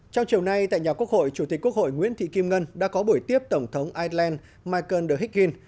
trong chiều nay tại nhà quốc hội chủ tịch quốc hội nguyễn thị kim ngân đã có buổi tiếp tổng thống ireland michael dehick in